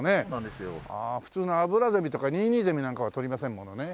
普通のアブラゼミとかニイニイゼミなんかは撮りませんものね。